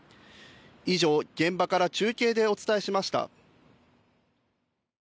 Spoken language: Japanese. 以上、現場から中継でお伝えしました。